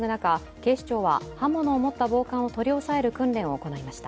警視庁は刃物を持った暴漢を取り押さえる訓練を行いました。